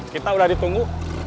kita udah ditunggu